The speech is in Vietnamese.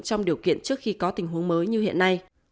trong điều kiện trước khi có tình huống mới như hiện nay